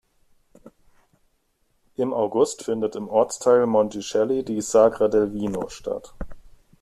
Im August findet im Ortsteil Monticelli die "Sagra del vino" statt.